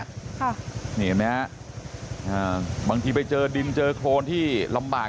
เลยเห็นมั้ยคะบางทีไปเจอดินเจอโคนที่ลำบาก